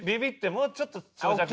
もうちょっと長尺で」